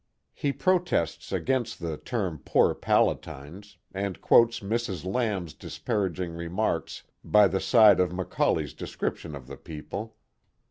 He protests against the term," poor Palatines," and quotes Mrs. Lamb's disparaging remarks by the side of Macaulay's description of the people.